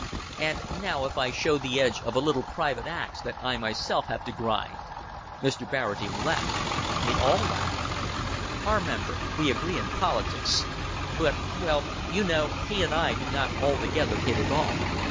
"And now if I show the edge of the little private ax that I myself have to grind!" Mr. Barradine laughed. They all laughed. "Our member we agree in politics; but, well, you know, he and I do not altogether hit it off.